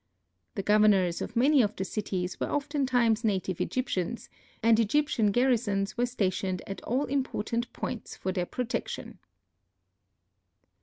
The governors of many of the cities were often times native Egyptians, and Egyptian garrisons were stationed at all important points for their protection.